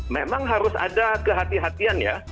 memang harus ada kehati hatian ya